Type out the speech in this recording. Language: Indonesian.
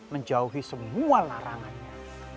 menjauhi semua larangannya